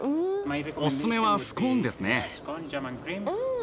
おススメはスコーンですね。